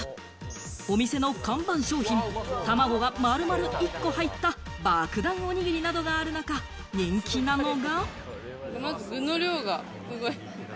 お店の看板商品、たまごが丸々１個入った、ばくだんおにぎりなどがある中、人気なのが。